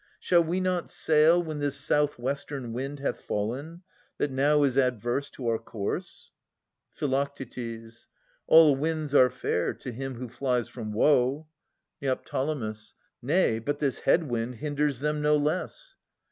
Shall we not sail when this south western wind Hath fallen, that now is adverse to our course ? Phi. All winds are fair to him who flies from woe. Neo. Nay, but this head wind hinders them no less.